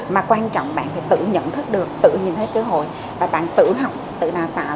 mà quan trọng bạn phải tự nhận thức được tự nhìn thấy cơ hội và bạn tự học tự đào tạo